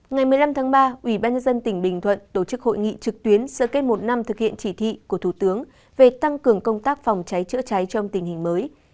ngày một mươi năm tháng ba ủy ban nhân dân tỉnh bình thuận tổ chức hội nghị trực tuyến sợ kết một năm thực hiện chỉ thị của thủ tướng về tăng cường công tác phòng cháy chữa cháy trong tình hình mới